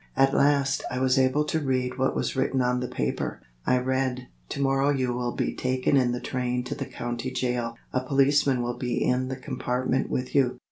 At last I was able to read what was written on the paper. I read: "To morrow you will be taken in the train to the county jail. A policeman will be in the compartment with you.